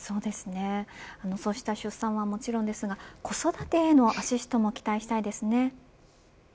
そうした出産はもちろんですが子育てへのアシストも期待したいですね。